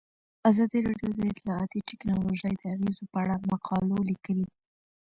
ازادي راډیو د اطلاعاتی تکنالوژي د اغیزو په اړه مقالو لیکلي.